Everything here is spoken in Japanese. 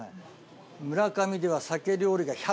村上では。